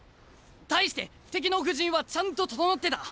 対して敵の布陣はちゃんと整ってた。